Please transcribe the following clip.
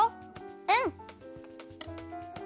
うん。